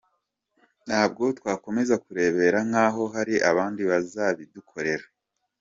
Ntabwo twakomeza kurebera nk’aho hari abandi bazabidukorera.